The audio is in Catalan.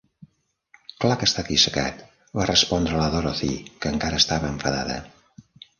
"Clar que està dissecat", va respondre la Dorothy, que encara estava enfadada.